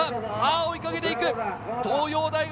追いかけていく東洋大学。